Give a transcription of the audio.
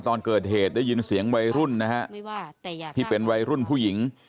ตอนเกิดเหตุได้ยินเสียงวัยรุ่นนะฮะที่เป็นวัยรุ่นผู้หญิง